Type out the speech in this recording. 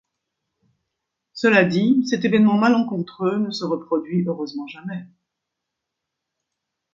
Cela dit, cet évènement malencontreux ne se reproduit heureusement jamais.